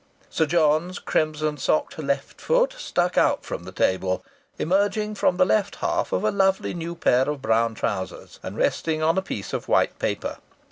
Sir John's crimson socked left foot stuck out from the table, emerging from the left half of a lovely new pair of brown trousers, and resting on a piece of white paper.